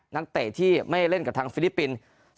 นักเตะที่ไม่เล่นกับทางฟิลิปปินส์